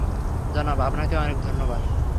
জনাব, আপনাকে অনেক ধন্যবাদ।